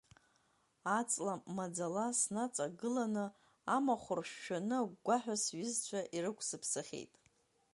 Аҵла маӡала снаҵагыланы амахә ршәшәаны агәгәаҳәа сҩызцәа ирықәсыԥсахьеит.